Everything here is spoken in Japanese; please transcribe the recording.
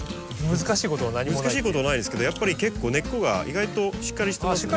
難しいことはないですけどやっぱり結構根っこが意外としっかりしてますね。